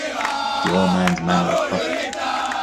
The old man’s manner was perfect.